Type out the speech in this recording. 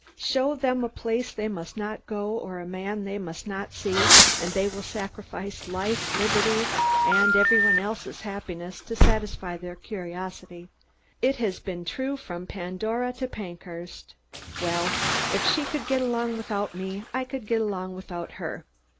Show them a place they must not go or a man they must not see and they will sacrifice life, liberty and everybody else's happiness to satisfy their curiosity. It has been true from Pandora to Pankhurst. Well, if she could get along without me, I could get along without her.